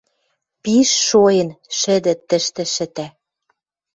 Пиш шоэн шӹдӹ тӹштӹ шӹтӓ.